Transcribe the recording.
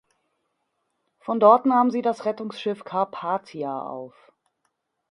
Von dort nahm sie das Rettungsschiff "Carpathia" auf.